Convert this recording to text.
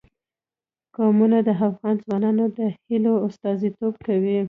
قومونه د افغان ځوانانو د هیلو استازیتوب کوي.